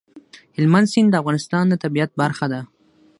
هلمند سیند د افغانستان د طبیعت برخه ده.